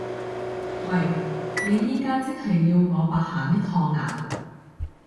喂！你而家即係要我白行一趟呀？